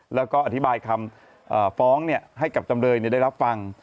แล้วก็อธิบายคำฟ้องให้กับจำเลยได้รับฟัง